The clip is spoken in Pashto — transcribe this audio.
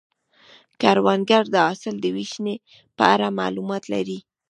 کروندګر د حاصل د ویشنې په اړه معلومات لري